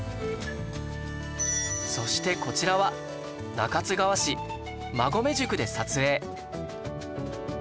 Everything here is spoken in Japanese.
そしてこちらは中津川市馬籠宿で撮影